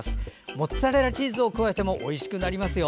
モッツァレラチーズを加えてもおいしくなりますよ。